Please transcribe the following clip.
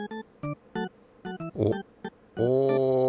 おっおお。